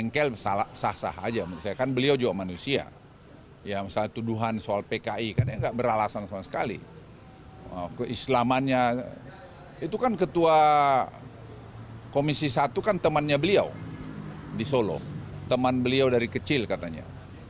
komisi satu kan temannya beliau di solo teman beliau dari kecil katanya